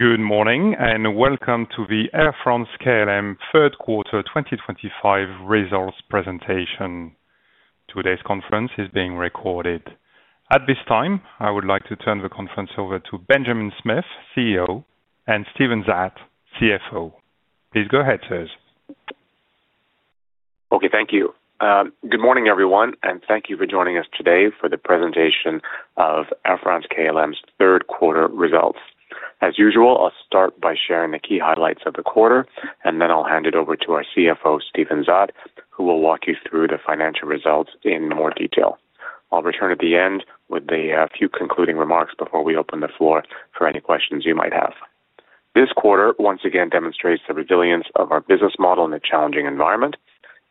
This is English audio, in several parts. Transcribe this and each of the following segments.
Good morning and welcome to the Air France-KLM third quarter 2025 results presentation. Today's conference is being recorded. At this time, I would like to turn the conference over to Benjamin Smith, CEO, and Steven Zaat, CFO. Please go ahead, sirs. Okay, thank you. Good morning everyone and thank you for joining us today for the presentation of Air France-KLM's third quarter results. As usual, I'll start by sharing the key highlight of the quarter and then I'll hand it over to our CFO, Steven Zaat, who will walk you through the financial results in more detail. I'll return at the end with a few concluding remarks before we open the floor for any questions you might have. This quarter once again demonstrates the resilience of our business model in a challenging environment.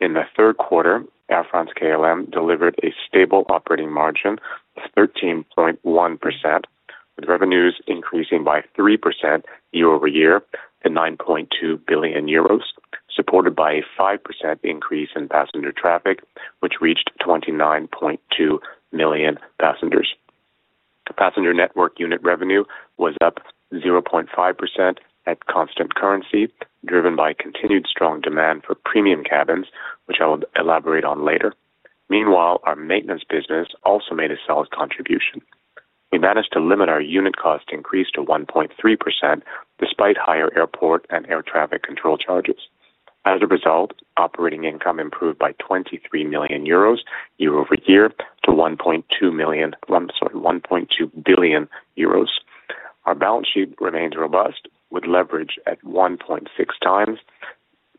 In the third quarter, Air France-KLM delivered a stable operating margin of 13.1% with revenues increasing by 3% year over year to 9.2 billion euros, supported by a 5% increase in passenger traffic, which reached 29.2 million passengers. Passenger network unit revenue was up 0.5% at constant currency, driven by continued strong demand for premium cabins, which I will elaborate on later. Meanwhile, our maintenance business also made a solid contribution. We managed to limit our unit cost increase to 1.3% despite higher airport and air traffic control charges. As a result, operating income improved by 23 million euros year over year to 1.2 billion euros. Our balance sheet remains robust with leverage at 1.6x.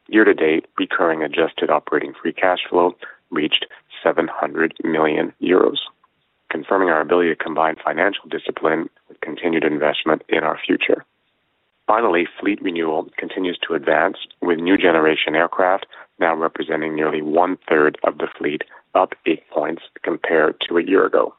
Year to date, recurring adjusted operating free cash flow reached 700 million euros, confirming our ability to combine financial discipline with continued investment in our future. Finally, fleet renewal continues to advance with new generation aircraft now representing nearly one third of the fleet, up 8 percentage points compared to a year ago.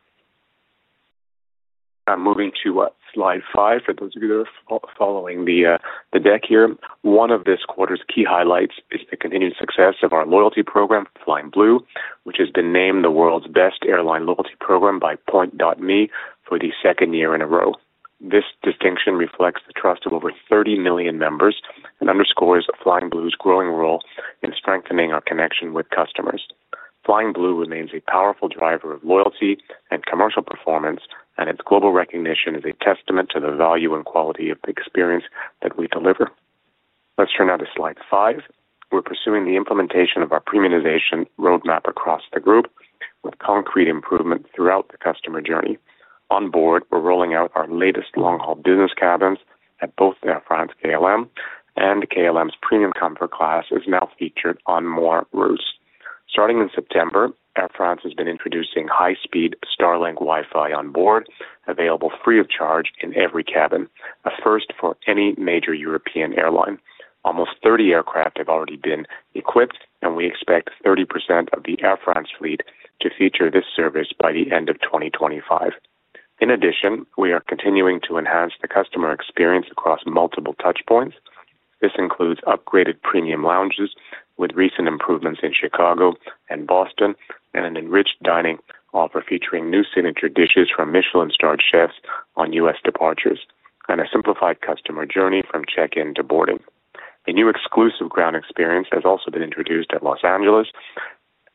Moving to slide five. For those of you that are following the deck here, one of this quarter's key highlights is the continued success of our loyalty program Flying Blue, which has been named the world's best airline loyalty program by Point.me for the second year in a row. This distinction reflects the trust of over 30 million members and underscores Flying Blue's growing role in strengthening our connection with customers. Flying Blue remains a powerful driver of loyalty and commercial performance, and its global recognition is a testament to the value and quality of the experience that we deliver. Let's turn now to slide five. We're pursuing the implementation of our premiumization roadmap across the group with concrete improvement throughout the customer journey. On board, we're rolling out our latest long haul Business Class cabins at both Air France-KLM and KLM's Premium Comfort class is now featured on more routes starting in September. Air France has been introducing high speed Starlink Wi-Fi on board available free of charge in every cabin, a first for any major European airline. Almost 30 aircraft have already been equipped and we expect 30% of the Air France fleet to feature this service by the end of 2025. In addition, we are continuing to enhance the customer experience across multiple touch points. This includes upgraded premium lounges with recent improvements in Chicago and Boston and an enriched dining offer featuring new signature dishes from Michelin-starred chefs on U.S. departures and a simplified customer journey from check in to boarding. A new exclusive ground experience has also been introduced at Los Angeles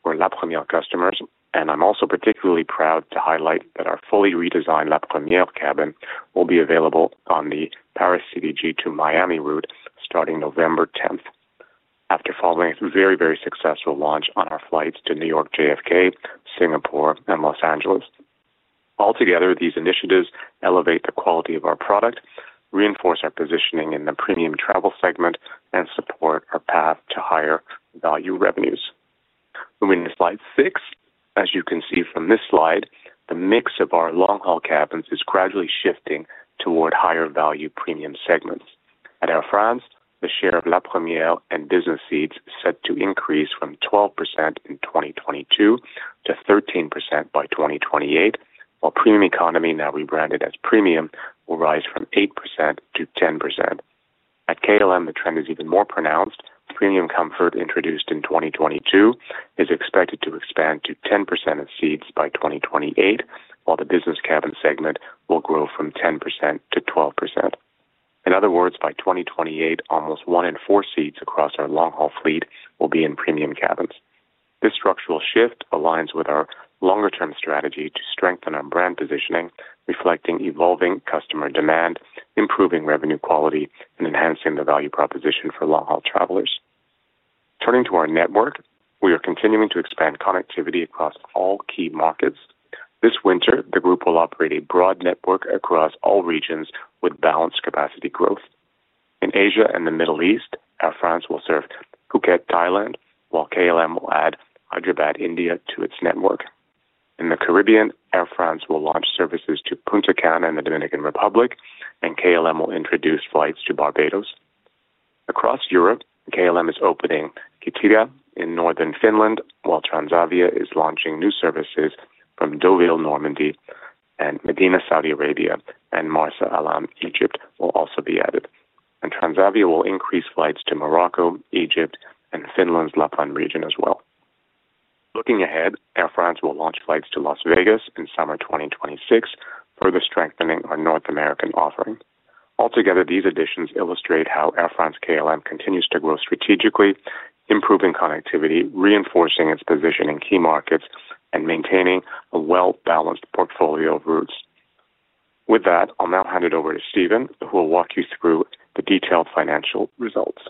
for La Première customers and I'm also particularly proud to highlight that our fully redesigned La Première cabin will be available on the Paris City G2 Miami route starting November 10th after following a very very successful launch on our flights to New York JFK, Singapore and Los Angeles. Altogether, these initiatives elevate the quality of our product, reinforce our positioning in the premium travel segment and support our path to higher value revenues. Moving to Slide six, as you can see from this slide, the mix of our long haul cabins is gradually shifting toward higher value premium segments. At Air France, the share of La Première and Business Class seats is set to increase from 12% in 2022 to 13% by 2028 while Premium Economy, now rebranded as Premium, will rise from 8% to 10%. At KLM, the trend is even more pronounced. Premium Comfort introduced in 2022 is expected to expand to 10% of seats by 2028 while the business cabin segment will grow from 10% to 12%. In other words, by 2028 almost one in four seats across our long haul fleet will be in premium cabins. This structural shift aligns with our longer term strategy to strengthen our brand positioning, reflecting evolving customer demand, improving revenue quality, and enhancing the value proposition for long haul travelers. Turning to our network, we are continuing to expand connectivity across all key markets. This winter the group will operate a broad network across all regions with balanced capacity growth in Asia and the Middle East. Air France will serve Phuket, Thailand while KLM will add Hyderabad, India to its network. In the Caribbean, Air France will launch services to Punta Cana and the Dominican Republic and KLM will introduce flights to Barbados. Across Europe, KLM is opening Kittilä in northern Finland while Transavia is launching new services from Deauville, Normandy and Medina, Saudi Arabia and Marsa Alam, Egypt will also be added and Transavia will increase flights to Morocco, Egypt and Finland's Lapland region as well. Looking ahead, Air France will launch flights to Las Vegas in summer 2026, further strengthening our North American offering. Altogether, these additions illustrate how Air France-KLM continues to grow, strategically improving connectivity, reinforcing its position in key markets and maintaining a well balanced portfolio of routes. With that, I'll now hand it over to Steven, who will walk you through the detailed financial results.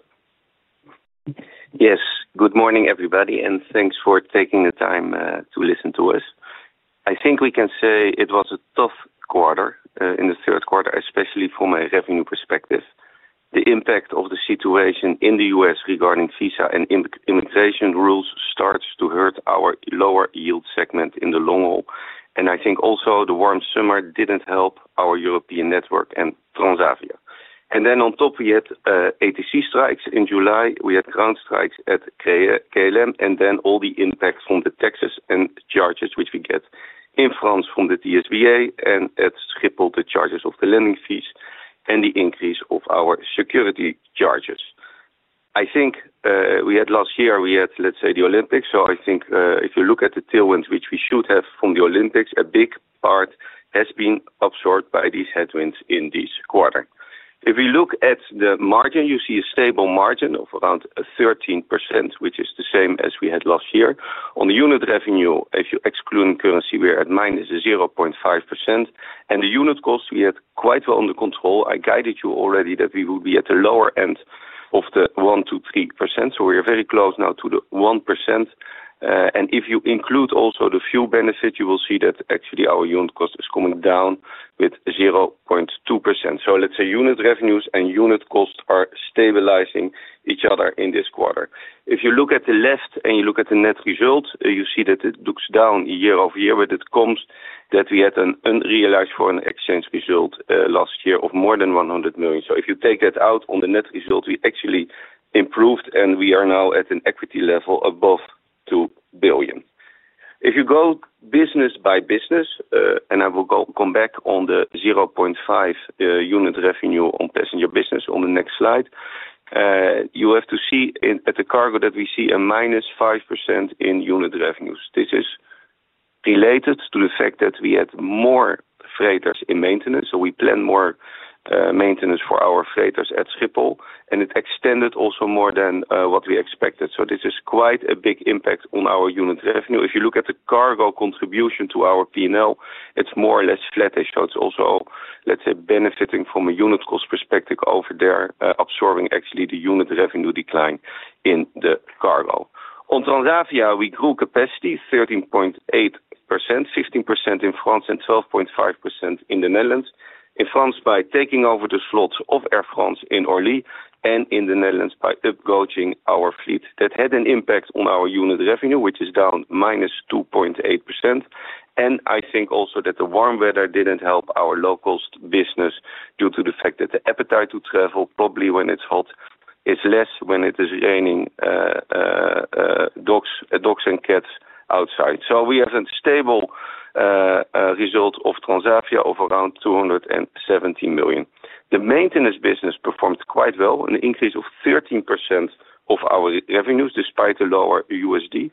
Yes, good morning everybody and thanks for taking the time to listen to us. I think we can say it was a tough quarter in the third quarter, especially from a revenue perspective. The impact of the situation in the U.S. regarding visa and immigration rules starts to hurt our lower yield segment in the long haul. I think also the warm summer did not help our European network and Transavia. On top, we had ATC strikes in July, we had ground strikes at KLM. Then all the impact from the taxes and charges which we get in France from the TSBA, and it is triple the charges of the landing fees and the increase of our security charges. I think we had last year, we had, let's say, the Olympics. I think if you look at the tailwinds which we should have from the Olympics, a big part has been absorbed by these headwinds in this quarter. If we look at the margin, you see a stable margin of around 13% which is the same as we had last year on the unit revenue. If you exclude currency, we're at -0.5% and the unit cost we had quite well under control. I guided you already that we will be at the lower end of the 1-3%. We are very close now to the 1%. If you include also the fuel benefit, you will see that actually our unit cost is coming down with 0.2%. Let's say unit revenues and unit costs are stabilizing each other in this quarter. If you look at the left and you look at the net result, you see that it looks down year over year. It comes that we had an unrealized foreign exchange result last year of more than 100 million. If you take that out on the net result, we actually improved and we are now at an equity level above 2 billion. If you go business by business and I will come back on the 0.5% unit revenue on passenger business. On the next slide you have to see at the cargo that we see a -5% in unit revenues. This is related to the fact that we had more freighters in maintenance. We planned more maintenance for our freighters at Schiphol. It extended also more than what we expected. This is quite a big impact on our unit revenue. If you look at the cargo contribution to our know, it's more or less flattish. It is also, let's say, benefiting from a unit cost perspective over there. Absorbing actually the unit revenue decline in the cargo on Transavia, we grew capacity 13.8%, 15% in France and 12.5% in the Netherlands. In France by taking over the slots of Air France in Orly and in the Netherlands by upgauging our fleet, that had an impact on our unit revenue which is down -2.8%. I think also that the warm weather didn't help our local business due to the fact that the appetite to travel probably when it's hot is less than when it is raining dogs and cats outside. We have a stable result of Transavia of around 270 million. The maintenance business performed quite well. An increase of 13% of our revenues. Despite the lower USD,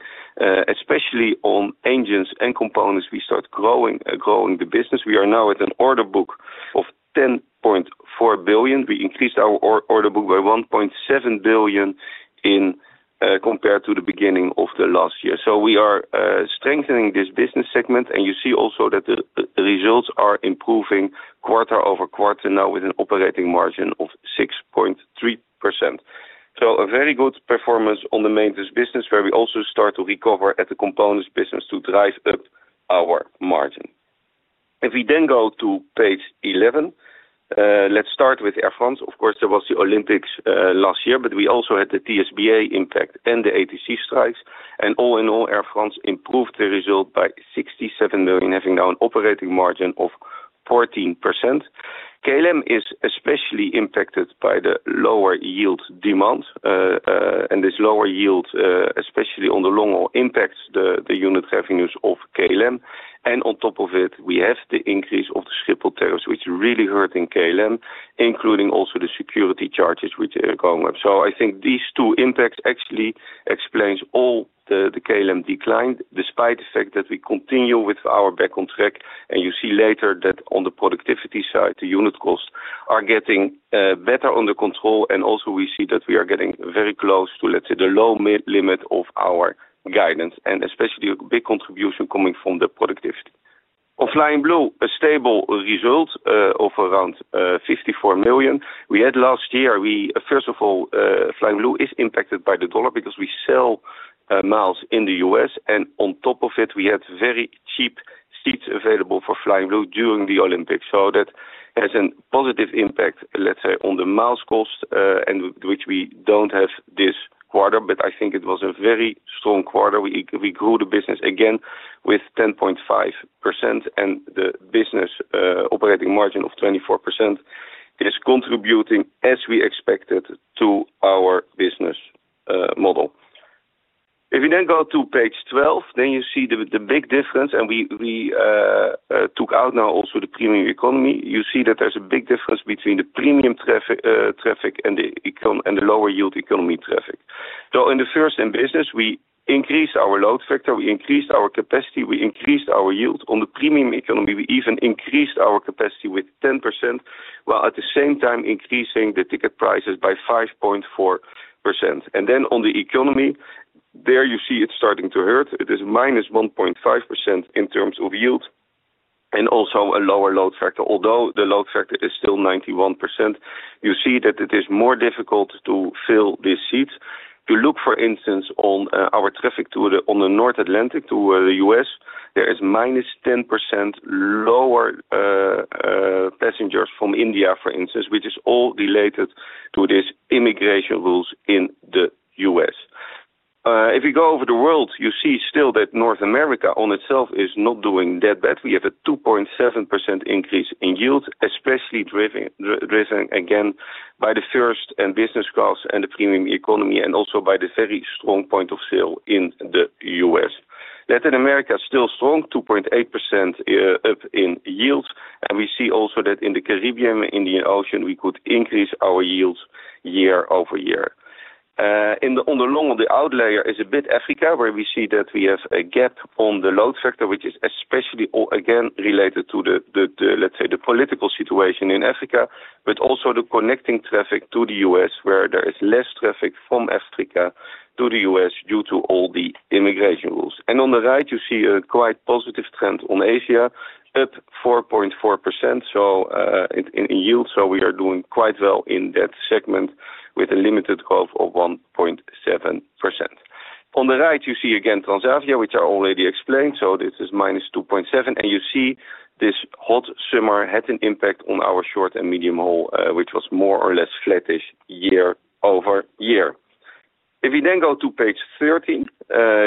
especially on engines and components, we start growing the business. We are now at an order book of 10.4 billion. We increased our order book by 1.7 billion compared to the beginning of the last year. We are strengthening this business segment. You see also that the results are improving quarter over quarter now with an operating margin of 6.3%. A very good performance on the maintenance business, where we also start to recover at the components business to drive up our margin. If we then go to page 11, let's start with Air France. Of course there was the Olympics last year, but we also had the TSBA impact and the ATC strikes. All in all, Air France improved the result by 67 million, having now an operating margin of 14%. KLM is especially impacted by the lower yield demand. This lower yield, especially on the long haul, impacts the unit revenues of KLM. On top of it, we have the increase of the Schiphol tariffs, which really hurt in KLM, including also the security charges which are going up. I think these two impacts actually explain all the KLM decline, despite the fact that we continue with our Back on Track. You see later that on the productivity side, the unit cost are getting better under control. Also, we see that we are getting very close to, let's say, the low limit of our guidance. Especially a big contribution coming from the productivity on Flying Blue, a stable result of around 54 million we had last year. First of all, Flying Blue is impacted by the dollar because we sell miles in the U.S. and on top of it, we had very cheap seats available for Flying Blue during the Olympics. That has a positive impact, let's say, on the miles cost and which we do not have this quarter, but I think it was a very strong quarter. We grew the business again with 10.5% and the business operating margin of 24% is contributing, as we expected, to our business model. If you then go to page 12, you see the big difference. We took out now also the premium economy. You see that there is a big difference between the premium traffic and the economy and the lower yield economy traffic, though in the first and business we increase our load factor. We increased our capacity, we increased our yield on the premium economy. We even increased our capacity with 10% while at the same time increasing the ticket prices by 5.4%. On the economy, there you see it's starting to hurt. It is -1.5% in terms of yield and also a lower load factor, although the load factor is still 91%. You see that it is more difficult to fill these seats. You look for instance on our traffic to the. On the North Atlantic to the U.S., there is -10% lower passengers from India, for instance, which is all related to this immigration rules in the U.S. If you go over the world, you see still that North America on itself is not doing that bad. We have a 2.7% increase in yields, especially driven again by the first and business class and the premium economy. Also by the very strong point of sale in the U.S. Latin America still strong, 2.8% up in yields. We see also that in the Caribbean, Indian Ocean, we could increase our yields year over year. On the long, on the outlier is a bit Africa, where we see that we have a gap on the load factor, which is especially again related to, let's say, the political situation in Africa, but also the connecting traffic to the U.S. where there is less traffic from Africa to the U.S. due to all the immigration rules. On the right you see a quite positive trend on Asia at 4.4% in yield. We are doing quite well in that segment with a limited growth of 1.7%. On the right you see again Transavia, which I already explained. This is -2.7%. You see this hot summer had an impact on our short and medium haul, which was more or less flattish year over year. If we then go to page 13,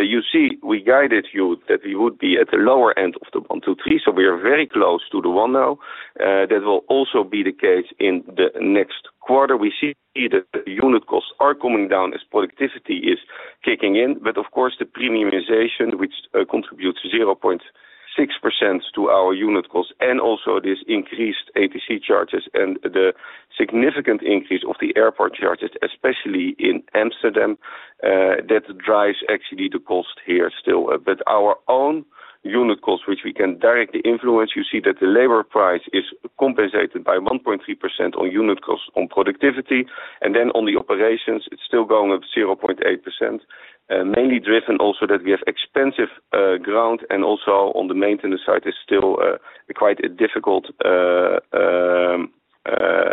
you see we guided you that we would be at the lower end of the 1-2-3, so we are very close to the one now. That will also be the case in the next quarter. We see the unit costs are coming down as productivity is kicking in. Of course, the premiumization, which contributes 0.6% to our unit cost, and also this increased ATC charges and the significant increase of the airport charges, especially in Amsterdam, that drives actually the cost here still. Our own unit cost, which we can directly influence, you see that the labor price is compensated by 1.3% on unit cost, on productivity, and then on the operations it is still going up 0.8%. Mainly driven also that we have expensive ground and also on the maintenance side is still quite a difficult.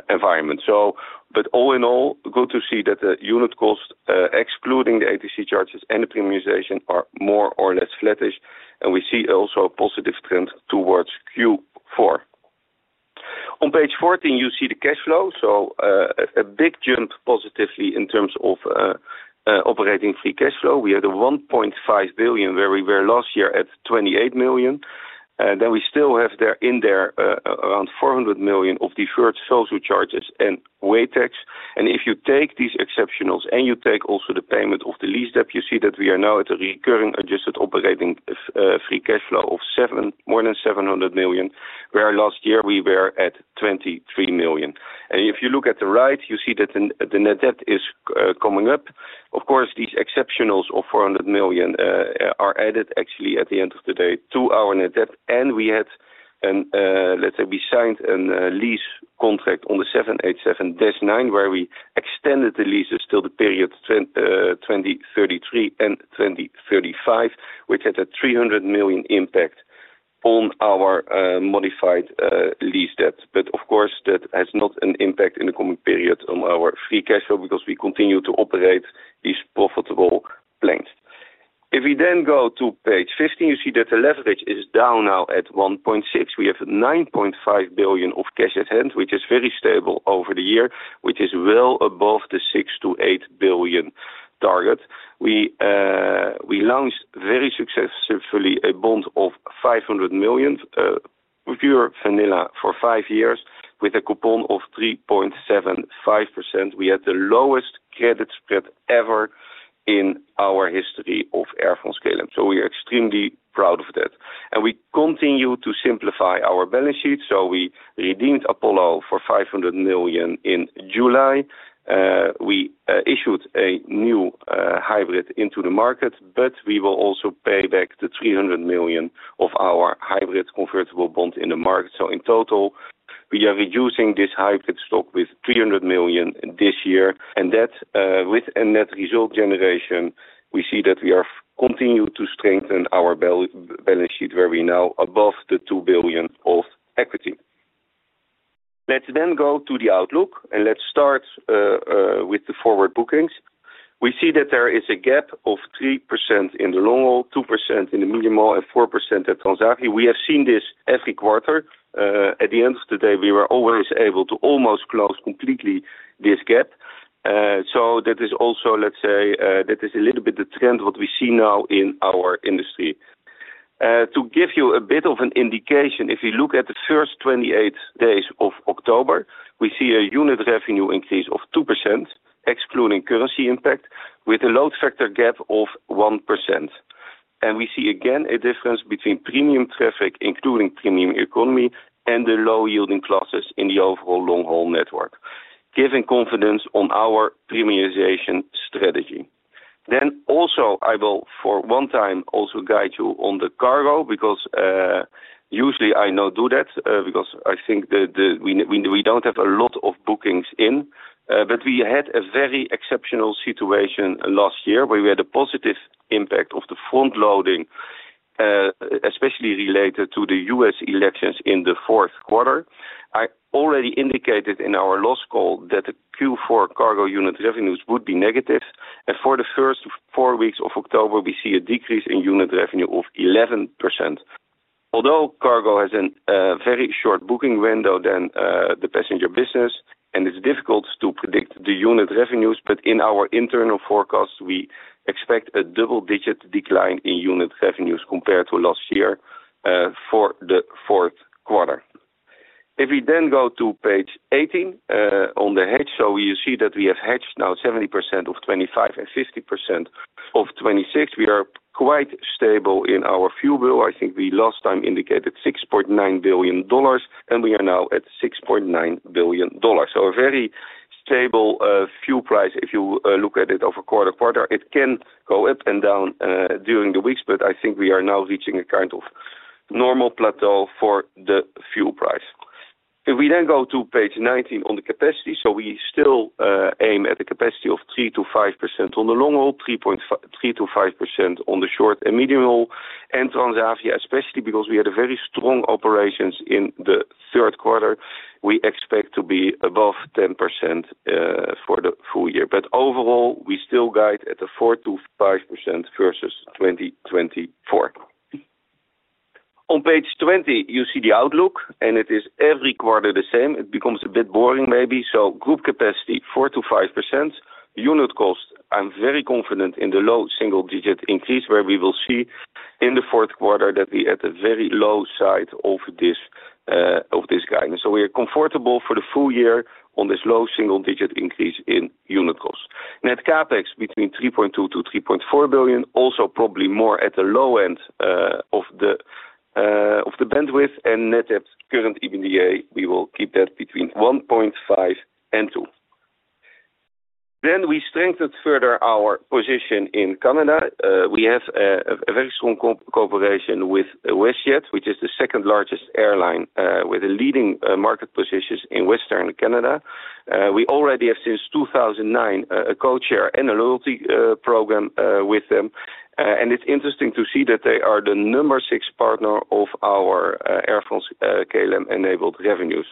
Environment. All in all, good to see that the unit cost, excluding the ATC charges and the premiumization, are more or less flattish. We see also a positive trend towards Q. On page 14, you see the cash flow. A big jump positively in terms of operating free cash flow. We had 1.5 billion, where we were last year at 28 million. We still have in there around 400 million of deferred social charges and wage tax. If you take these exceptionals and you take also the payment of the lease debt, you see that we are now at a recurring adjusted operating free cash flow of more than 700 million, where last year we were at 23 million. If you look at the right, you see that the net debt is coming up. Of course these exceptionals of 400 million are added actually at the end of the day to our net debt. We had, let's say, we signed a lease contract on the 787-9 where we extended the leases till the period 2033 and 2035, which had a 300 million impact on our modified lease debt. Of course that has not an impact in the coming period on our free cash flow because we continue to operate these profitable planes. If we then go to page 15, you see that the leverage is down now at 1.6. We have 9.5 billion of cash at hand, which is very stable over the year, which is well above the 6 billion-8 billion target. We launched very successfully a bond of 500 million pure vanilla for five years with a coupon of 3.75%. We had the lowest credit spread ever in our history of Air France-KLM scaling. We are extremely proud of that and we continue to simplify our balance sheet. We redeemed Apollo for 500 million. In July we issued a new hybrid into the market. We will also pay back the 300 million of our hybrid convertible bond in the market. In total we are reducing this hybrid stock with 300 million this year and that with a net result generation. We see that we are continued to strengthen our balance sheet where we are now above the 2 billion of equity. Let's go to the outlook and start with the forward bookings. We see that there is a gap of 3% in the long haul, 2% in the medium, and 4% at transaction. We have seen this every quarter. At the end of the day we were always able to almost close completely this gap. That is also, let's say, that is a little bit the trend we see now in our industry. To give you a bit of an indication, if you look at the first 28 days of October, we see a unit revenue increase of 2% excluding currency impact with a load factor gap of 1%. We see again a difference between premium traffic including premium economy and the low yielding classes in the overall long haul network, giving confidence on our premiumization strategy. I will for one time also guide you on the cargo because usually I not do that because I think that we do not have a lot of bookings in, but we had a very exceptional situation last year where we had a positive impact of the front loading, especially related to the U.S. elections in the fourth quarter. I already indicated in our last call that the Q4 cargo unit revenues would be negative. For the first four weeks of October we see a decrease in unit revenue of 11%. Although cargo has a very short booking window than the passenger business and it is difficult to predict the unit revenues. In our internal forecast we expect a double digit decline in unit revenues compared to last year for the fourth quarter. If we go to page 18 on the hedge. You see that we have hedged now 70% of 2025 and 50% of 2026. We are quite stable in our fuel bill. I think we last time indicated $6.9 billion and we are now at $6.9 billion. A very stable fuel price. If you look at it over quarter to quarter it can go up and down during the weeks, but I think we are now reaching a kind of normal plateau for the fuel price. If we then go to page 19 on the capacity. We still aim at the capacity of 3%-5% on the long haul, 3%-5% on the short and medium, and Transavia especially because we had very strong operations in the third quarter. We expect to be above 10% for the full year. Overall we still guide at the 4%-5% versus 20. On page 20 you see the outlook and it is every quarter the same. It becomes a bit boring maybe. Group capacity 4-5% unit cost. I'm very confident in the low single digit increase where we will see in the fourth quarter that we had a very low side of this guidance, so we are comfortable for the full year on this low single digit increase in unit costs. Net CapEx between 3.2 billion-3.4 billion. Also probably more at the low end of the bandwidth and net apps. Current EBITDA we will keep that between 1.5 billion and 2 billion. We strengthened further our position in Canada. We have a very strong cooperation with WestJet, which is the second largest airline with the leading market positions in western Canada. We already have since 2009 a code share and a loyalty program with them and it's interesting to see that they are the number six partner of our airlines KLM enabled revenues.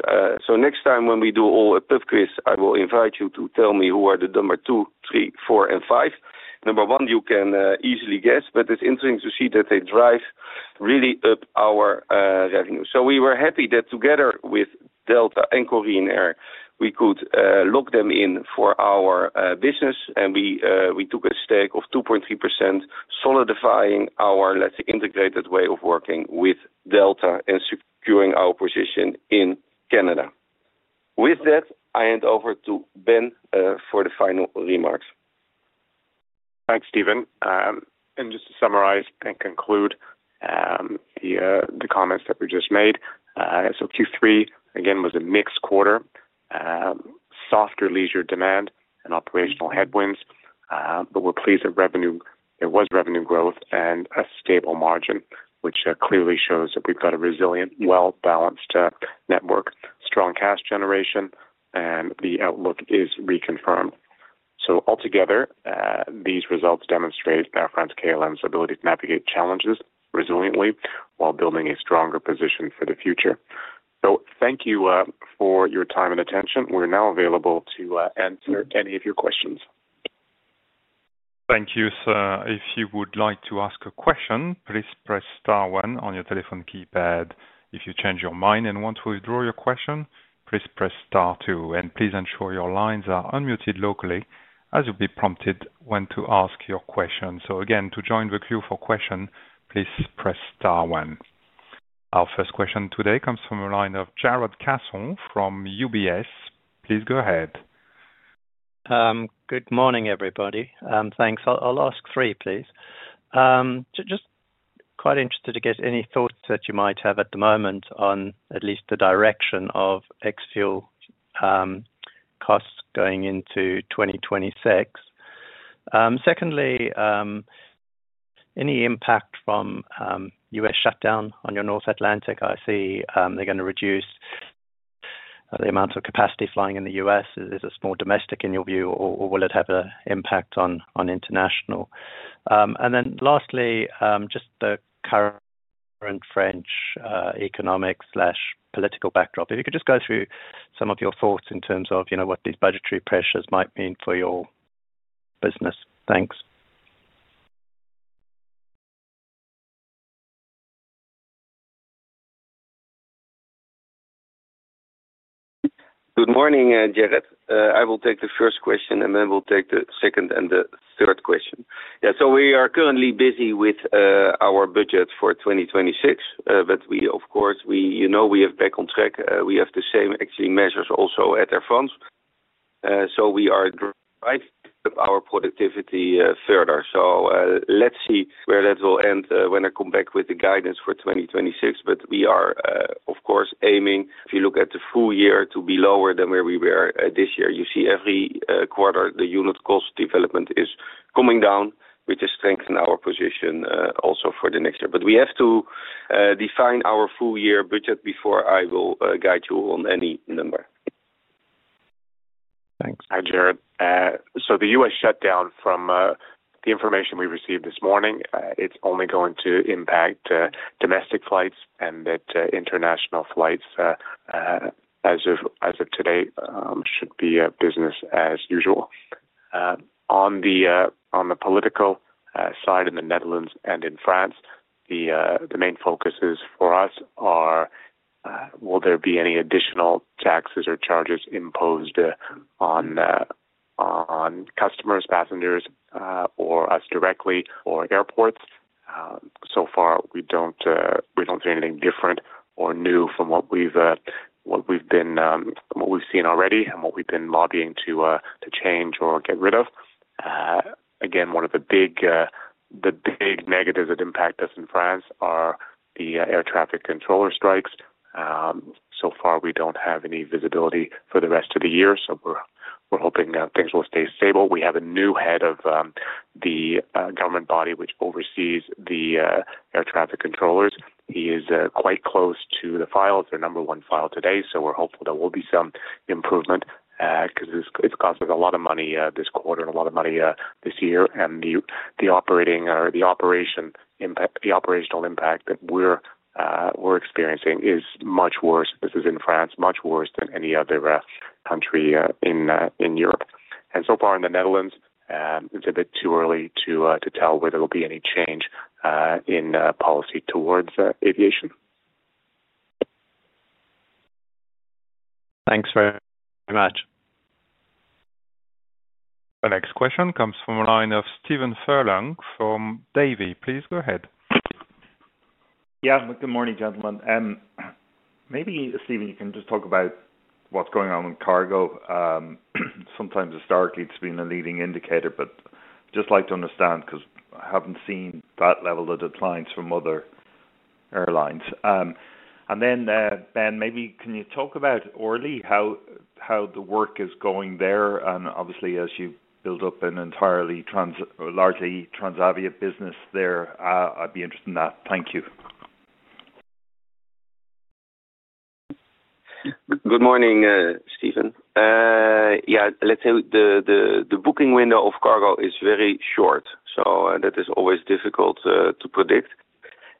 Next time when we do all a pub quiz I will invite you to tell me who are the number two, three, four and five. Number one, you can easily guess but it's interesting to see that they drive really up our revenue. We were happy that together with Delta and Corina we could lock them in for our business and we took a stake of 2.3% solidifying our, let's say integrated way of working with Delta and securing our position in Canada. With that I hand over to Ben for the final remarks. Thanks, Stephen. Just to summarize and conclude the comments that we just made. Q3 again was a mixed quarter, softer leisure demand and operational headwinds, but we're pleased that there was revenue growth and a stable margin, which clearly shows that we've got a resilient, well-balanced network, strong cash generation, and the outlook is reconfirmed. Altogether, these results demonstrate Air France-KLM's ability to navigate challenges resiliently while building a stronger position for the future. Thank you for your time and attention. We're now available to answer any of your questions. Thank you, sir. If you would like to ask a question, please press star one on your telephone keypad. If you change your mind and want to withdraw your question, please press star two. Please ensure your lines are unmuted locally as you'll be prompted when to ask your question. Again, to join the queue for questions, please press star one. Our first question today comes from the line of Jarrod Castle from UBS. Please go ahead. Good morning everybody. Thanks. I'll ask three please. Just quite interested to get any thoughts that you might have at the moment on at least the direction of ex fuel costs going into 2026. Secondly, any impact from U.S. shutdown on your North Atlantic? I see they're going to reduce the amount of capacity flying in the U.S. Is this more domestic in your view or will it have an impact on international? Lastly, just the current French economic political backdrop. If you could just go through some of your thoughts in terms of what these budgetary pressures might mean for your business. Thanks. Good morning Jarrod. I will take the first question and then we'll take the second and the third question. Yeah, so we are currently busy with our budget for 2026 but we, of course, you know, we have Back on Track. We have the same actually measures also at our funds. So we are driving our productivity further. Let's see where that will end when I come back with the guidance for 2026. We are, of course, aiming if you look at the full year to be lower than where we were this year. You see every quarter the unit cost development is coming down, which is strengthening our position also for the next year. We have to define our full year budget before I will guide you on any number. Thanks. Hi Jarrod. The U.S. shutdown, from the information we received this morning, it's only going to impact domestic flights and that international flights as of today should be business as usual. On the political side in the Netherlands and in France, the main focuses for us are will there be any additional taxes or charges imposed on customers, passengers, or us directly or airports? So far we don't see anything different new from what we've seen already and what we've been lobbying to change or get rid of. Again, one of the big negatives that impact us in France are the air traffic controller strikes. So far we don't have any visibility for the rest of the year. We are hoping things will stay stable. We have a new head of the government body which oversees the air traffic controllers. He is quite close to the file. It's our number one file today. We're hopeful there will be some improvement because it's cost us a lot of money this quarter and a lot of money this year. The operational impact that we're experiencing is much worse. This is in France, much worse than any other country in Europe and so far in the Netherlands. It's a bit too early to tell whether there will be any change in policy towards aviation. Thanks very much. The next question comes from the line of Stephen Furlong from Davy. Please go ahead. Yeah, good morning, gentlemen. Maybe Steven, you can just talk about what's going on with cargo. Sometimes historically it's been a leading indicator, but just like to understand, because I haven't seen that level of declines from other airlines. Then Ben, maybe can you talk about Orly, how the work is going there and obviously as you build up an entirely, largely Transavia business there, I'd be interested in that. Thank you. Good morning, Stephen. Yeah, let's say the booking window of cargo is very short, so that is always difficult to predict.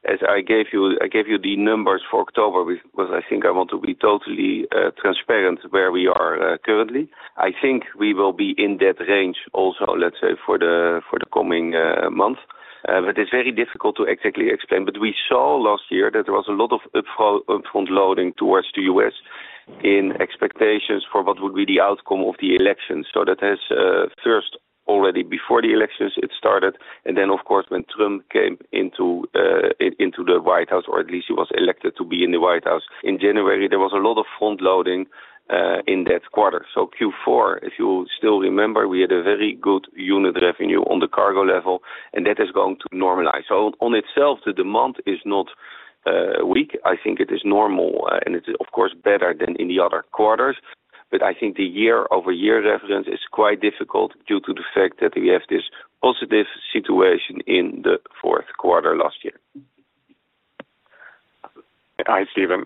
As I gave you, I gave you the numbers for October, but I think I want to be totally transparent where we are currently, I think we will be in that range also, let's say for the coming months. It's very difficult to exactly explain, but we saw last year that there was a lot of upfront loading towards the U.S. in expectations for what would be the outcome of the election. That has first already before the elections it started and then of course when Trump came into the White House, or at least he was elected to be in the White House in January, there was a lot of front loading in that quarter. Q4, if you still remember, we had a very good unit revenue on the cargo level and that is going to normalize. On itself the demand is not weak. I think it is normal and it is of course better than in the other quarters. I think the year over year reference is quite difficult due to the fact that we have this positive situation in the fourth quarter last year. Hi Steven.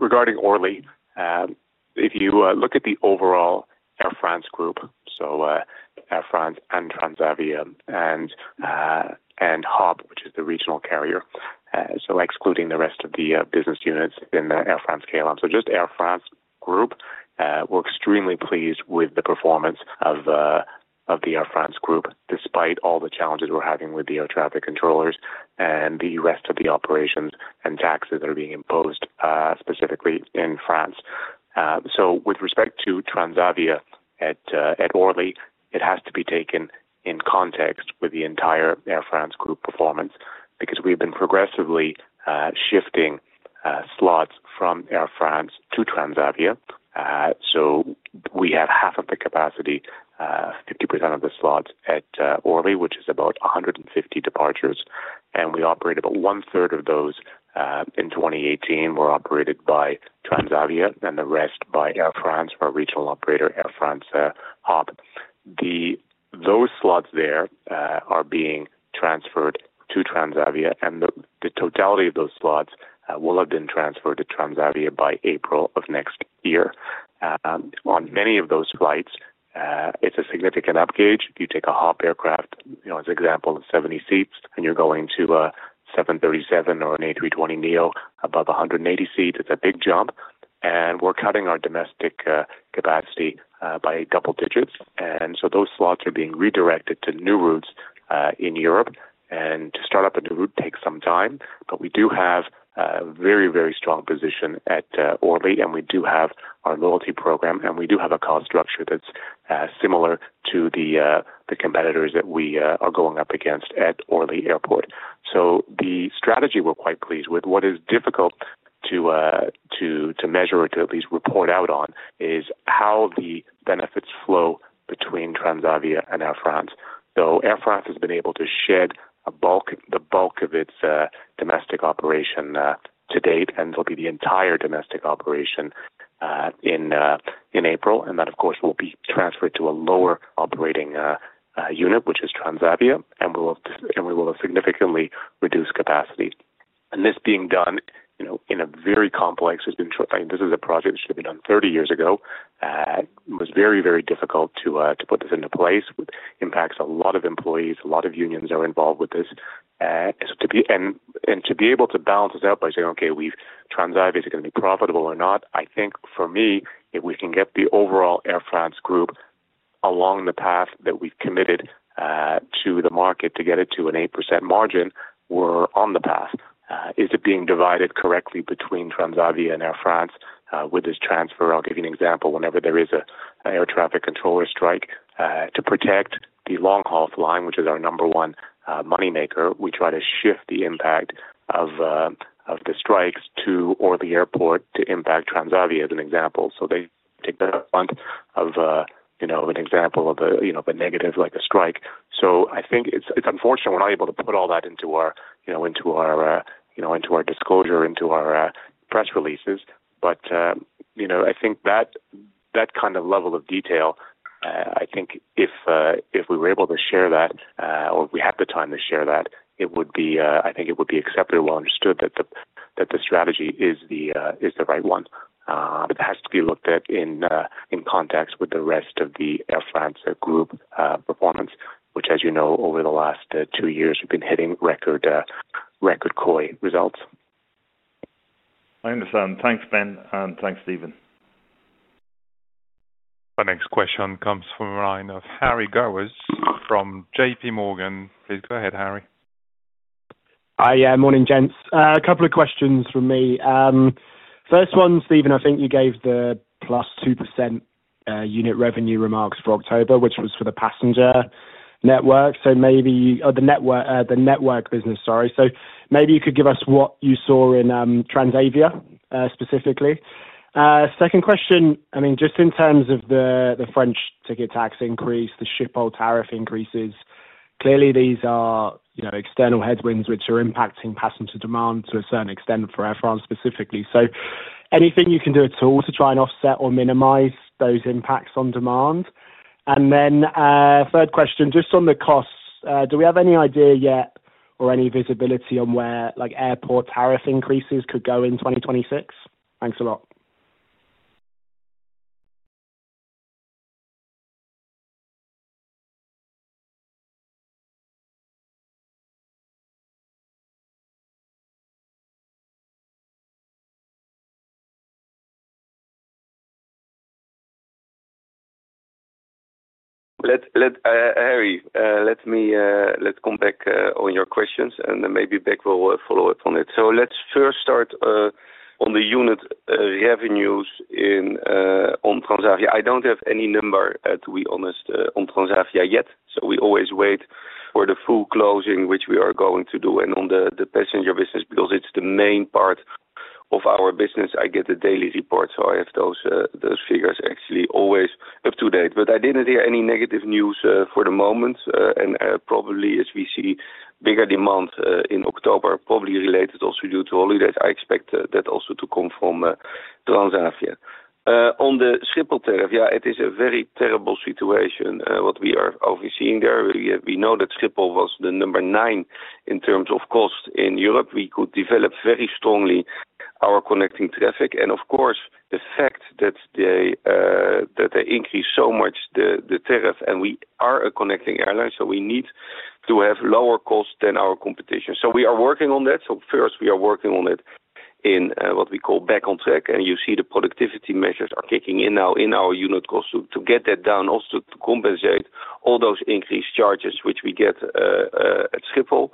Regarding Orly, if you look at the overall Air France group, so Air France and Transavia and HOP, which is the regional carrier, so excluding the rest of the business units in Air France-KLM, so just Air France group. We're extremely pleased with the performance of the Air France group, despite all the challenges we're having with the air traffic controllers and the rest of the operations and taxes that are being imposed specifically in France. With respect to Transavia at Orly, it has to be taken in context with the entire Air France group performance because we've been progressively shifting slots from Air France to Transavia. We have half of the capacity, 50% of the slots at Orly, which is about 150 departures, and we operate about one third of those. In 2018, they were operated by Transavia and the rest by Air France, our regional operator, Air France Hop. Those slots there are being transferred to Transavia, and the totality of those slots will have been transferred to Transavia by April of next year. On many of those flights, it is a significant upgauge. You take a Hop aircraft as an example of 70 seats and you are going to a 737 or an A320neo above 180 seats, it is a big jump. We are cutting our domestic capacity by double digits, so those slots are being redirected to new routes in Europe. To start up a new route takes some time. We do have a very, very strong position at Orly and we do have our loyalty program and we do have a cost structure that's similar to the competitors that we are going up against at Orly Airport. The strategy we're quite pleased with. What is difficult to measure, or to at least report out on, is how the benefits flow between Transavia and Air France. Though Air France has been able to shed the bulk of its domestic operation to date, and it'll be the entire domestic operation in April. That, of course, will be transferred to a lower operating unit, which is Transavia, and we will significantly reduce capacity. This is being done in a very complex way. This is a project that should have been done 30 years ago. It was very, very difficult to put this into place. Impacts a lot of employees, a lot of unions are involved with this. To be able to balance this out by saying, okay, Transavia is going to be profitable or not. I think for me, if we can get the overall Air France group along the path that we've committed to the market to get it to an 8% margin, we're on the path. Is it being divided correctly between Transavia and Air France with this transfer? I'll give you an example. Whenever there is an air traffic control strike to protect the long haul flying, which is our number one moneymaker, we try to shift the impact of the strikes to Orly airport to impact Transavia as an example. They take the brunt of, you know, an example of a negative like a strike. I think it's unfortunate we're not able to put all that into our, you know, into our disclosure, into our press releases. I think that that kind of level of detail, if we were able to share that or we had the time to share that, I think it would be accepted, well understood that the strategy is the right one, but it has to be looked at in context with the rest of the Air France-KLM group performance, which, as you know, over the last two years we've been hitting record core results. I understand. Thanks Ben. And thanks Steven. Our next question comes from the line of Harry Gowers from JPMorgan. Please go ahead, Harry. Hi, morning gents. A couple of questions from me. First one, Steven, I think you gave the +2% unit revenue remarks for October, which was for the passenger network. So maybe the network, the network business. Sorry. Maybe you could give us what you saw in Transavia specifically. Second question, I mean just in terms of the French ticket tax increase, the ship oil tariff increases, clearly these are external headwinds which are impacting passenger demand to a certain extent for Air France specifically. Anything you can do at all to try and offset or minimize those impacts on demand. Third question, just on the costs, do we have any idea yet or any visibility on where like airport tariff increases could go in 2026? Harry, let me. Let's come back on your questions and then maybe Beck will follow up on it. Let's first start on the unit revenues on Transavia. I don't have any number to be honest on Transavia yet. We always wait for the full closing which we are going to do. On the passenger business, because it's the main part of our business, I get the daily reports, so I have those figures actually always up to date, but I didn't hear any negative news for the moment. Probably as we see bigger demand in October, probably related also due to holidays, I expect that also to come from Transat on the Schiphol tariff. Yeah, it is a very terrible situation what we are seeing there. We know that Schiphol was the number nine in terms of cost in Europe. We could develop very strongly our connecting traffic and of course the fact that they increase so much the tariff and we are a connecting airline, so we need to have lower cost than our competition. We are working on that. First, we are working on it in what we call Back on Track and you see the productivity measures are kicking in now in our unit cost to get that done also to compensate all those increased charges which we get at Schiphol.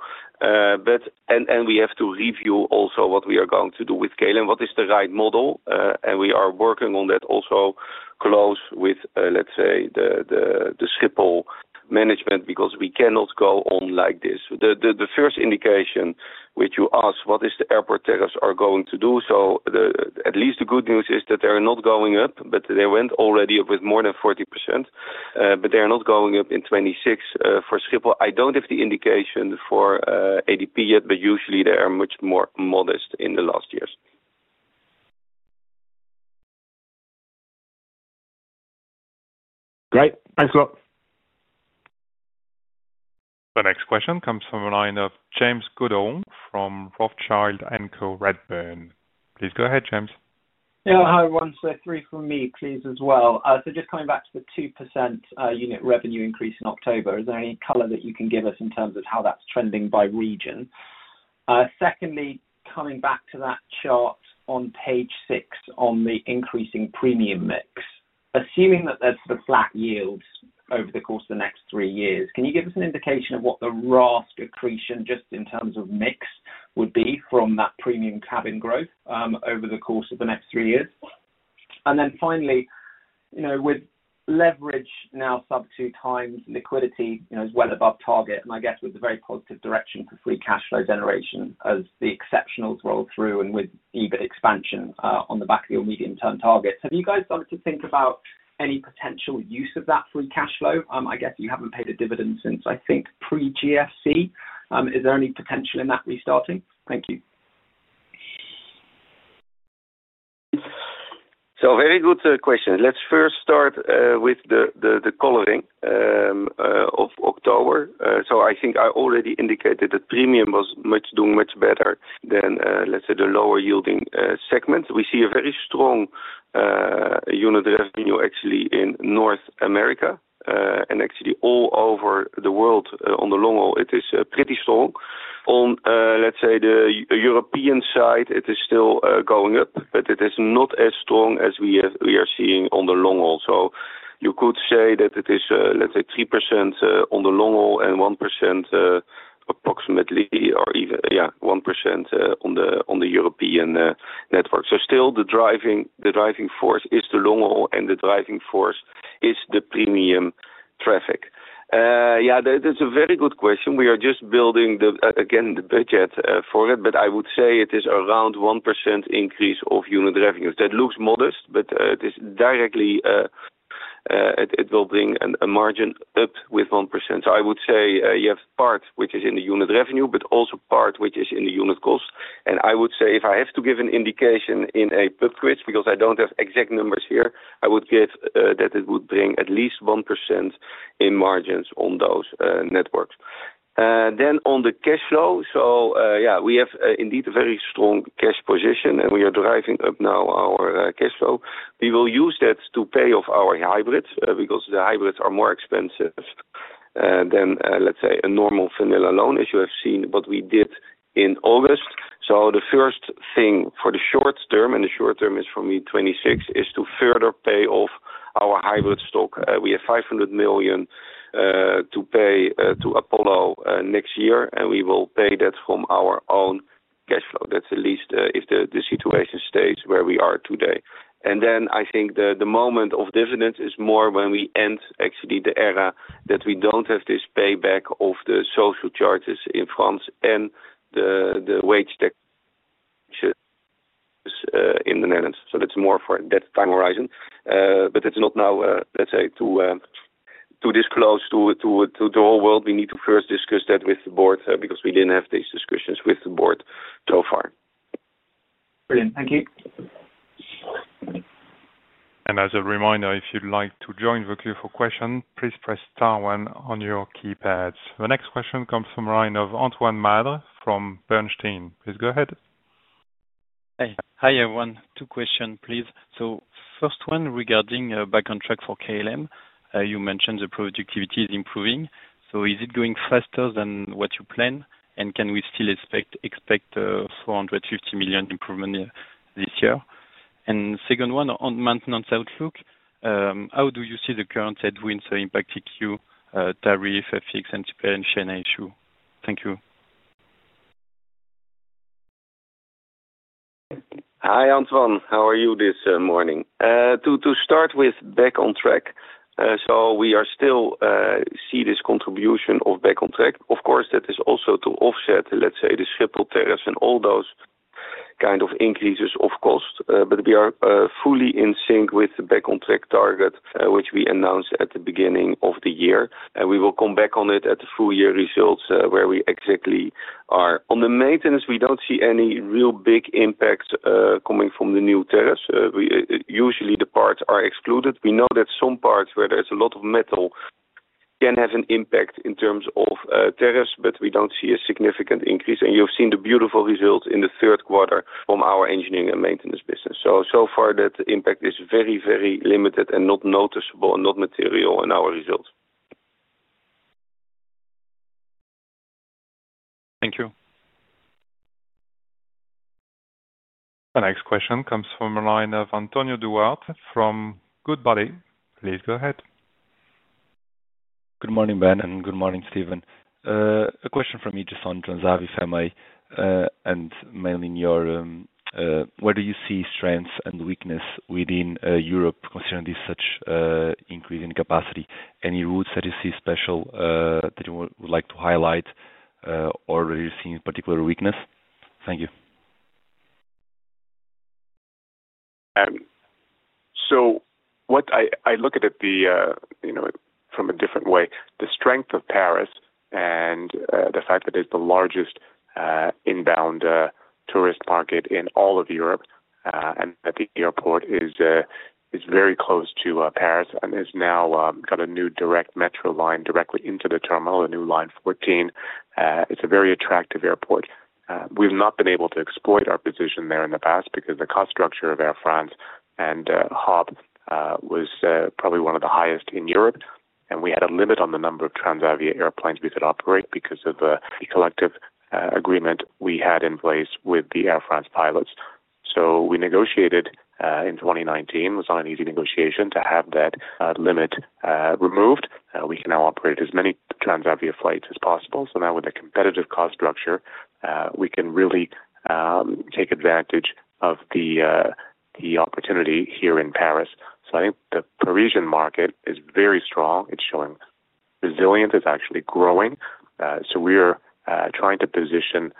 We have to review also what we are going to do with KLM, what is the right model and we are working on that. Also close with, let's say, the Schiphol management because we cannot go on like this. The first indication which you ask, what are the airport tariffs going to do. At least the good news is that they are not going up, but they went already with more than 40% but they are not going up in 2026 for Schiphol. I do not have the indication for ADP yet, but usually they are much more modest in the last years. Great, thanks a lot. The next question comes from the line of James Cordwell from Rothschild & Co Redburn. Please go ahead, James. Yeah, hi. One, two, three from me please as well. Just coming back to the 2% unit revenue increase in October, is there any color that you can give us in terms of how that's trending by region? Secondly, coming back to that chart on page six on the increasing premium mix, assuming that that's the flat yield over the course of the next three years, can you give us an indication of what the RASK accretion just in terms of mix would be from that premium cabin growth over the course of the next three years? Finally, you know, with leverage now sub 2x, liquidity is well above target, and I guess with a very positive direction for free cash flow generation as the exceptionals roll through and with EBIT expansion on the back of your medium term target, have you guys started to think about any potential use of that free cash flow? I guess you haven't paid a dividend since, I think, pre GFC. Is there any potential in that restarting? Thank you. Very good question. Let's first start with the coloring of October. I think I already indicated that premium was doing much better than, let's say, the lower yielding segments. We see a very, very strong unit revenue actually in North America and actually all over the world. On the long haul it is pretty strong. On, let's say, the European side it is still going up, but it is not as strong as we are seeing on the long haul. You could say that it is, let's say, 3% on the long haul and 1% approximately, or even 1%, on the European network. Still, the driving force is the long haul and the driving force is the premium traffic. Yeah, that's a very good question. We are just building again the budget for it, but I would say it is around 1% increase of unit revenues. That looks modest, but it will bring a margin up with 1%. I would say you have part which is in the unit revenue but also part which is in the unit cost. I would say if I have to give an indication in a pub quiz because I do not have exact numbers here year I would give that it would bring at least 1% in margins on those networks. Then on the cash flow. We have indeed a very strong cash position and we are driving up now our cash flow. We will use that to pay off our hybrids because the hybrids are more expensive than, let's say, a normal vanilla loan, as you have seen what we did in August. The first thing for the short term, and the short term is for me, 2026, is to further pay off our hybrids stock. We have 500 million to pay to Apollo next year and we will pay that from our own cash flow. That is at least if the situation stays where we are today. I think the moment of dividends is more when we end actually the era that we do not have this payback of the social charges in France and the wage in the Netherlands. That is more for that time horizon, but it is not now, let us say to disclose to the whole world. We need to first discuss that with the board, because we did not have these discussions with the board so far. Brilliant, thank you. As a reminder, if you'd like to join the queue for questions, please press star one on your keypads. The next question comes from Antoine Madre from Bernstein, please go ahead. Hi everyone. Two questions please. First one regarding Back on Track for KLM. You mentioned the productivity is improving, so is it going faster than what you plan? Can we still expect 450 million improvement this year? Second one on maintenance outlook. How do you see the current headwinds impacting you? Tariff, FX expansion, and outlook. Thank you. Hi Antoine, how are you this morning? To start with, Back on Track. We are still seeing this contribution of Back on Track. Of course, that is also to offset, let's say, the tariffs and all those kind of increases of cost. We are fully in sync with the Back on Track target which we announced at the beginning of the year, and we will come back on it at the full year results. Where we, exactly on the maintenance, we don't see any real big impacts coming from the new tariffs. Usually the parts are excluded. We know that some parts where there's a lot of metal can have an impact in terms of tariffs, but we don't see a significant increase. You have seen the beautiful results in the third quarter from our engineering and maintenance business. So far that impact is very, very limited and not noticeable, not material in our results. Thank you. The next question comes from the line of Antonio Duarte from Goodbody. Please go ahead. Good morning Ben and good morning Steven. A question from me just on Transavia M&A and mainly in Europe. Where do you see strengths and weakness within Europe considering this such increase in capacity? Any routes that you see special that you would like to highlight or you're seeing particular weakness. Thank you. What I look at it from a different way, the strength of Paris and the fact that it's the largest inbound tourist market in all of Europe and that the airport is very close to Paris and has now got a new direct metro line directly into the terminal, a new line 14. It's a very attractive airport. We've not been able to exploit our position there in the past because the cost structure of Air France and ADP was probably one of the highest in Europe and we had a limit on the number of Transavia airplanes we could operate because of the collective agreement we had in place with the Air France pilots. What we negotiated in 2019 was not an easy negotiation to have that limit removed. We can now operate as many Transavia flights as possible. Now with a competitive cost structure, we can really take advantage of the opportunity here in Paris. I think the Parisian market is very strong. It's showing resilience, it's actually growing. We are trying to position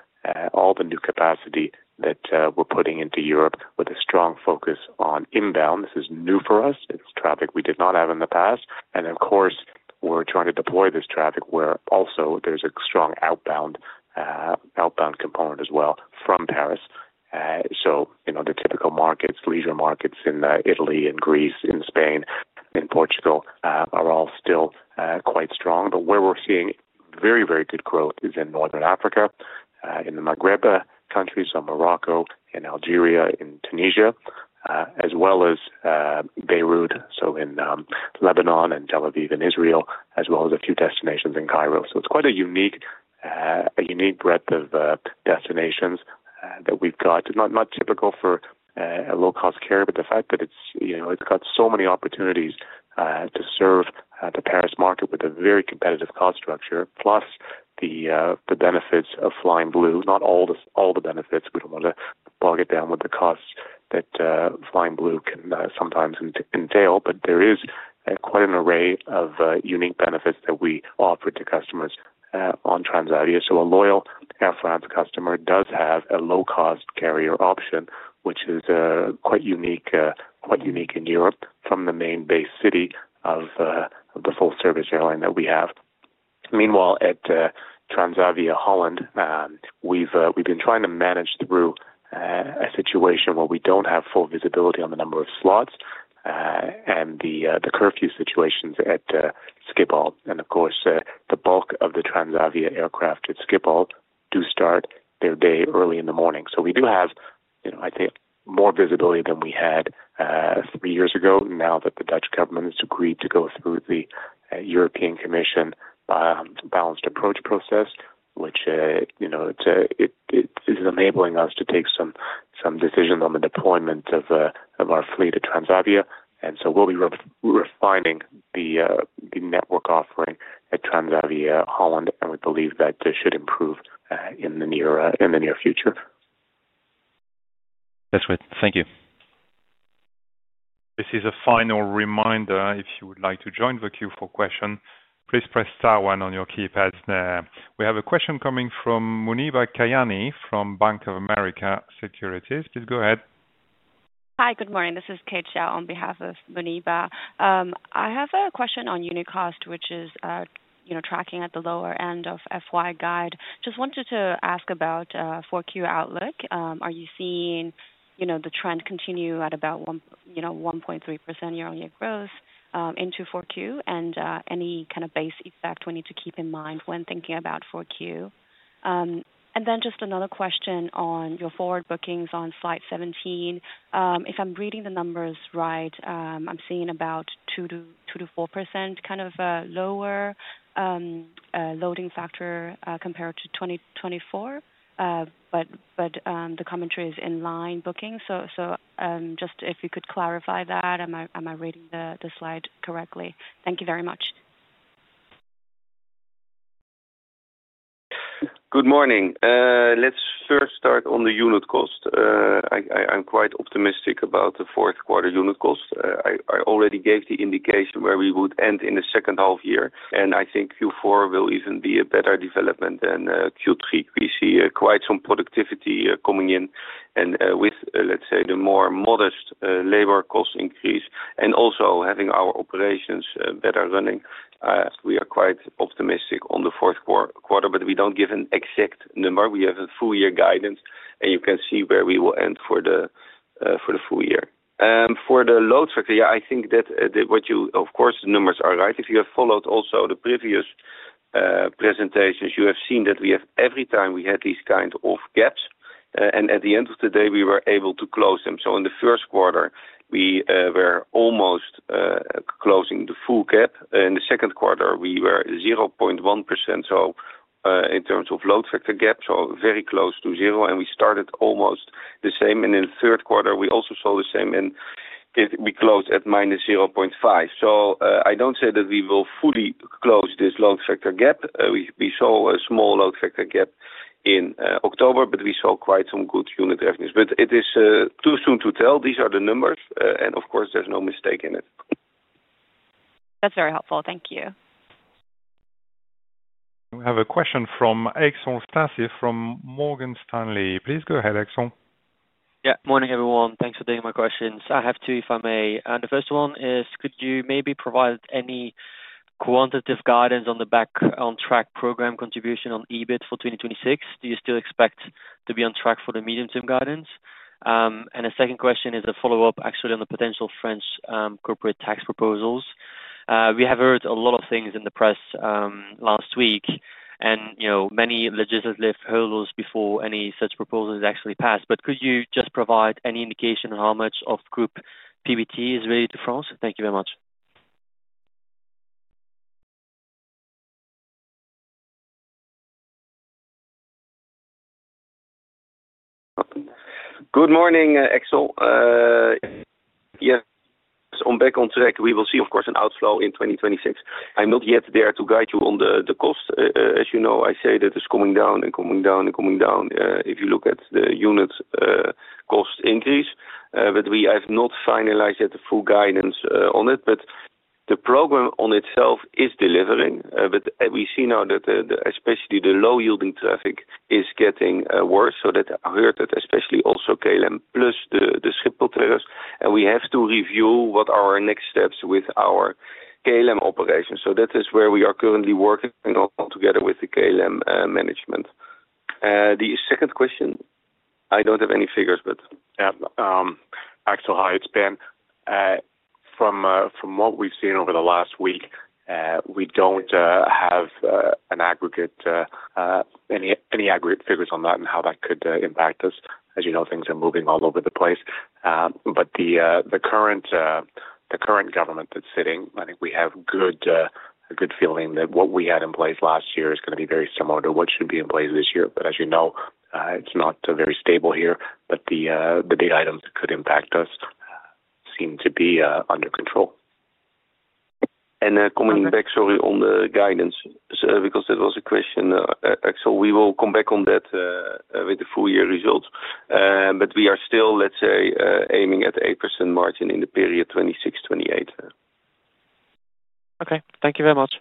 all the new capacity that we're putting into Europe with a strong focus on inbound. This is new for us. It's traffic we did not have in the past and of course we're trying to deploy this traffic where also there's a strong outbound component as well from Paris. You know, the typical markets, leisure markets in Italy and Greece, in Spain, in Portugal are all still quite strong. Where we're seeing very, very good growth is in Northern Africa, in the Maghreb countries of Morocco, in Algeria, in Tunisia as well as Beirut, so in Lebanon and Tel Aviv in Israel as well as a few destinations in Cairo. It's quite a unique breadth of destinations that we've got. Not typical for a low cost carrier, but the fact that it's, you know, it's got so many opportunities to serve the Paris market with a very competitive cost structure. Plus the benefits of Flying Blue. Not all the benefits. We don't want to bog it down with the costs that Flying Blue can sometimes entail, but there is quite an array of unique benefits that we offer to customers on Transavia. A loyal Air France customer does have a low cost carrier option, which is quite unique, quite unique in Europe from the main base city of the full service airline that we have. Meanwhile, at Transavia Holland, we've been trying to manage through a situation where we don't have full visibility on the number of slots and the curfew situations at Schiphol. Of course, the bulk of the Transavia aircraft at Schiphol do start their day early in the morning. We do have, I think, more visibility than we had three years ago now that the Dutch government has agreed to go through the European Commission balanced approach process, which is enabling us to take some decision on the deployment of our fleet at Transavia. We will be refining the network offering at Transavia Holland, and we believe that should improve in the near future. Thank you. This is a final reminder. If you would like to join the queue for question, please press star one on your keypad. We have a question coming from Muneeba Kayani from Bank of America Securities. Please go ahead. Hi, good morning, this is Kate Xiao. On behalf of Muneeba, I have a question on Unicast which is tracking at the lower end of FY guide. Just wanted to ask about 4Q outlook. Are you seeing, you know, the trend continue at about 1.3% year on year growth into 4Q and any kind of base effect we need to keep in mind when thinking about 4Q. Just another question on your forward bookings on slide 17, if I'm reading the numbers right, I'm seeing about 2%-4% kind of lower loading factor compared to 2024. The commentary is in line booking. If you could clarify that. Am I reading the slide correctly? Thank you very much. Good morning. Let's first start on the unit cost. I'm quite optimistic about the fourth quarter unit cost. I already gave the indication where we would end in the second half year and I think Q4 will even be a better development than Q3. We see quite some activity coming in and with let's say the more modest labor cost increase and also having our operations better running, we are quite optimistic on the fourth quarter but we don't give an exact number. We have a full year guidance and you can see where we will end for the full year for the load factor. Yeah, I think that what you of course numbers are right. If you have followed also the previous presentations, you have seen that we have every time we had these kind of gaps, gaps and at the end of the day we were able to close them. In the first quarter we were almost closing the full gap. In the second quarter we were 0.1%. In terms of load factor gap, so very close to zero, and we started almost the same and in the third quarter we also saw the same and we closed at -0.5%. I do not say that we will fully close this load factor gap. We saw a small load factor gap in October, but we saw quite some good unit revenues, but it is too soon to tell. These are the numbers and of course there is no mistake in it. That's very helpful, thank you. We have a question from Axel Stasse from Morgan Stanley. Please go ahead, Axel. Yeah, morning everyone. Thanks for taking my questions. I have two if I may. The first one is could you maybe provide any quantitative guidance on the Back on Track program contribution on EBIT for 2026? Do you still expect to be on track for the medium term guidance? The second question is a follow up actually on the potential French corporate tax proposals. We have heard a lot of things in the press last week and many legislative hurdles before any such proposals actually passed. Could you just provide any indication on how much of group PBT is related to France? Thank you very much. Good morning Axel. Yes, on Back on Track we will see of course an outflow in 2026. I'm not yet there to guide you on the cost as you know I say that it's coming down and coming down and coming down. If you look at the unit cost increase but we have not finalized yet the full guidance on it but the program on itself is delivering but we see now that especially the low yielding traffic is getting worse. That here especially also KLM plus the Schiphol term and we have to review what are our next steps with our KLM operations. That is where we are currently working together with the KLM management. The second question, I don't have any figures but. Axel, hi, it's Ben. From what we've seen over the last week we don't have any aggregate figures on that and how that could impact us. As you know things are moving all over the place, but the current government that's sitting, I think we have a good feeling that what we had in place last year is going to be very similar to what should be in place this year. As you know it's not very stable here. The data items that could impact us seem to be under control. And coming back on the guidance because that was a question. We will come back on that with the full year results but we are still, let's say, aiming at 8% margin in the period 2026-2028. Okay, thank you very much.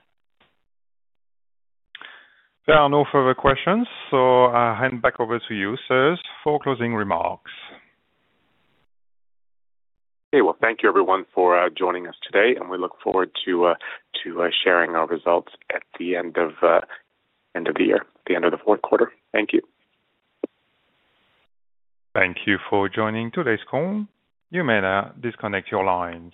There are no further questions, so I hand back over to you, sirs, for closing remarks. Okay, thank you everyone for joining us today. We look forward to sharing our results at the end of the year, the end of the fourth quarter. Thank you. Thank you for joining today's call. You may now disconnect your lines.